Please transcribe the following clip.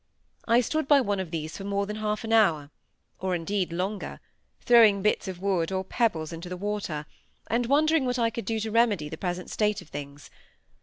I stood by one of these for more than half an hour, or, indeed, longer, throwing bits of wood or pebbles into the water, and wondering what I could do to remedy the present state of things.